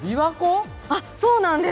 あそうなんです。